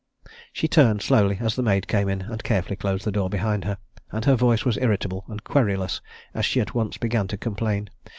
She turned slowly as the maid came in and carefully closed the door behind her, and her voice was irritable and querulous as she at once began to complain.